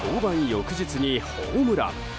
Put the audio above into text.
翌日にホームラン。